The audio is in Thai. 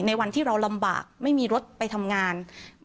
ในวันที่เราลำบากไม่มีรถไปทำงาน